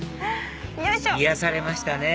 癒やされましたね